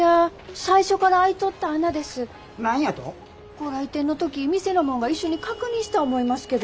ご来店の時店の者が一緒に確認した思いますけど。